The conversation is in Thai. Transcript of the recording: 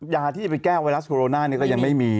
ยาที่จะไปแก้ไวรัสโคโรนาก็ยังไม่มี